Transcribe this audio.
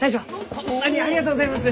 ホンマにありがとうございます！